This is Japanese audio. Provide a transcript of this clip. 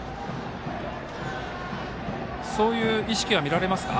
そういう意識は見られますか？